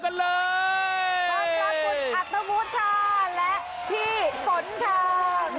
สวัสดีครับคุณอาทธวุฒาและพี่ฝนเท้า